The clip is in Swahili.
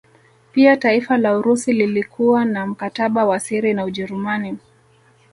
Pia taifa la Urusi lilikuwa na mkataba wa siri na Ujerumani